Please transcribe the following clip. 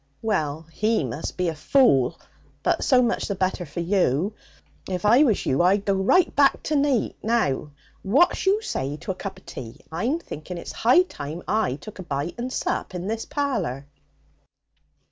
'Well, he must be a fool! But so much the better for you. If I was you, I'd go right back to neet. Now what's you say to a cup o' tea? I'm thinking it's high time I took a bite and sup in this parlour!'